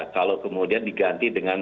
kalau kemudian diganti dengan